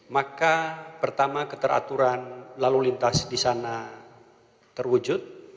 maka pertama keteraturan lalu lintas di sana terwujud